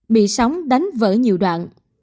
bị sóng đánh vỡ nhiều đoạn